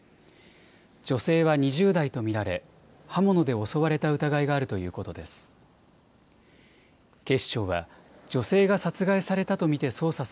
女性は２０代と見られ刃物で襲われた疑いがあるということです。